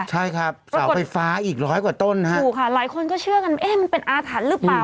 ใช่ครับเสาไฟฟ้าอีกร้อยกว่าต้นฮะถูกค่ะหลายคนก็เชื่อกันว่าเอ๊ะมันเป็นอาถรรพ์หรือเปล่า